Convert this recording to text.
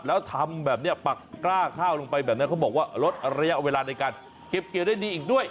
แล้วทำแบบนี้ปักกล้าข้าวลงไปแบบนี้เขาบอกว่าลดระยะเวลาในการเก็บเกี่ยวได้ดีอีกด้วย